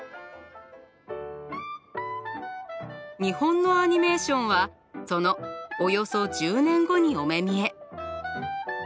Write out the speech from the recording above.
日本のアニメーションはそのおよそ１０年後にお目見え。